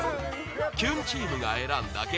キュンチームが選んだ激